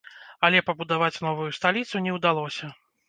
Але пабудаваць новую сталіцу не ўдалося.